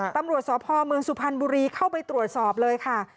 ตำรวจสพเมืองสุพรรณบุรีเข้าไปตรวจสอบเลยค่ะ